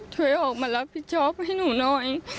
ช่วยออกมารับผิดชอบให้หนูหน่อย